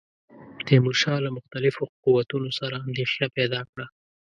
تیمورشاه له مختلفو قوتونو سره اندېښنه پیدا کړه.